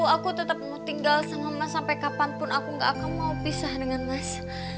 aku tetap mau tinggal sama mas sampai kapanpun aku gak akan mau pisah dengan mas